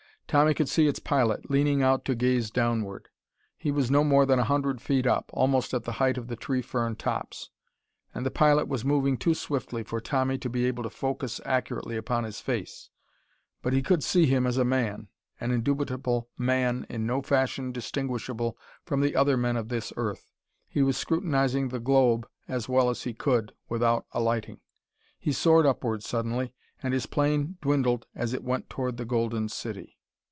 Tommy could see its pilot, leaning out to gaze downward. He was no more than a hundred feet up, almost at the height of the tree fern tops. And the pilot was moving too swiftly for Tommy to be able to focus accurately upon his face, but he could see him as a man, an indubitable man in no fashion distinguishable from the other men of this earth. He was scrutinizing the globe as well as he could without alighting. He soared upward, suddenly, and his plane dwindled as it went toward the Golden City.